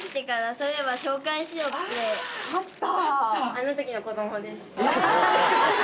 あ！あった！